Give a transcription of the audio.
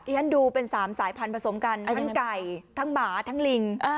ที่คุณดูเป็น๓สายพันธุ์ผสมกันคั้นไก่ทั้งหมาทั้งลิง